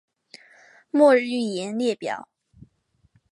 末日预言列表